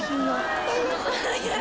はい。